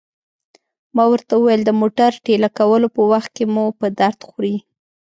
ما ورته وویل: د موټر ټېله کولو په وخت کې مو په درد خوري.